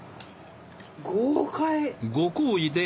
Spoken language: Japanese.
豪快！